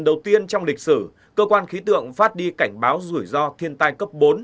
đầu tiên trong lịch sử cơ quan khí tượng phát đi cảnh báo rủi ro thiên tai cấp bốn